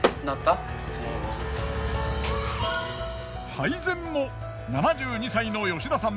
配膳も７２歳の吉田さん